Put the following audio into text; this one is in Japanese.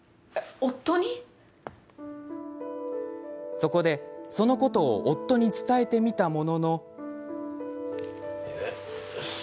そこで、そのことを夫に伝えてみたものの。